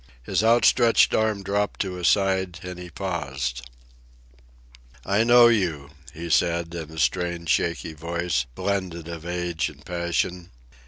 His outstretched arm dropped to his side, and he paused. "I know you," he said, in a strange, shaky voice, blended of age and passion.